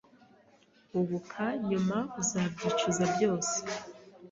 hubuka nyuma uzabyicuza byose